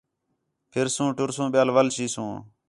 پِھرسوں ٹُرسوں ٻِیال وَل چیسوں